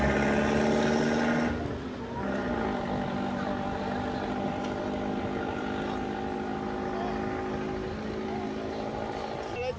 สวัสดีครับทุกคน